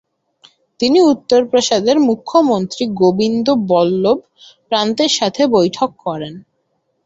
তিনি উত্তরপ্রদেশের মুখ্যমন্ত্রী গোবিন্দ বল্লভ পান্তের সাথে বৈঠক করেন।